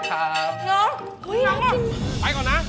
ไปก่อนนะ